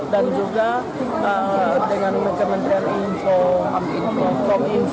dan juga dengan kementerian info